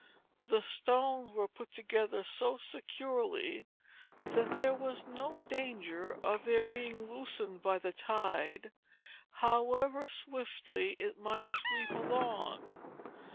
The stones were put together so securely, that there was no danger of their being loosened by the tide, however swiftly it might sweep along.